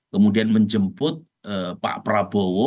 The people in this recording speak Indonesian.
kemudian menjemput pak prabowo